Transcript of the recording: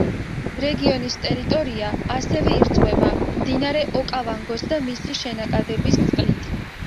რეგიონის ტერიტორია ასევე ირწყვება მდინარე ოკავანგოს და მისი შენაკადების წყლით.